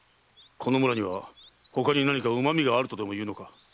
この村にはほかに何かうまみがあるとでもいうのか？